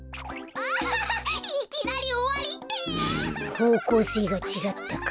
ほうこうせいがちがったか。